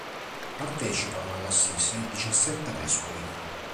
Partecipano all'assise diciassette vescovi.